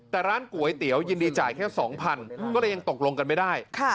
แต่ร้านก๋วยเตี๋ยวยินดีจ่ายแค่๒๐๐ก็เลยยังตกลงกันไม่ได้